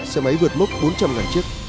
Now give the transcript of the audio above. xe máy vượt mốc bốn trăm linh chiếc